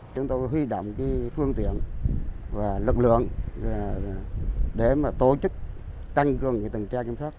chúng tôi huy động phương tiện và lực lượng để tổ chức tăng cường tuần tra kiểm soát